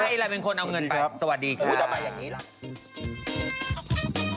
ไอ้ลายเป็นคนเอาเงินไปสวัสดีครับ